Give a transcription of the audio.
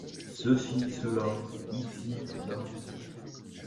Ceci/Cela. Ici/Là.